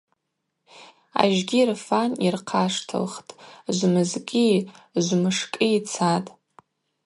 Ажьгьи рфан йырхъаштылхтӏ, жвмызкӏи жвмышкӏи цатӏ.